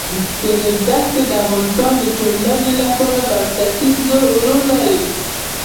د ریګ دښتې د افغانستان د ټولنې لپاره بنسټيز رول لري.